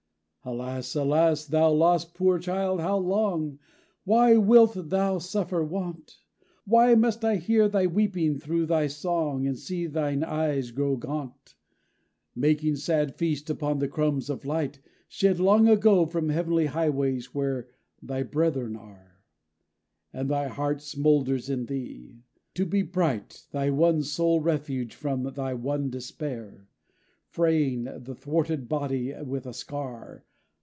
'Alas, Alas, thou lost poor child, how long? Why wilt thou suffer want? Why must I hear thy weeping through thy song, And see thine eyes grow gaunt? Making sad feast upon the crumbs of light Shed long ago from heavenly highways where Thy brethren are! And thy heart smoulders in thee, to be bright, Thy one sole refuge from thy one despair, Fraying the thwarted body with a scar.